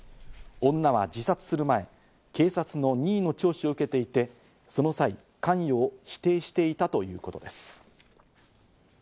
女は自殺する前、警察の任意の聴取を受けていて、その際、関与を否定していたということです。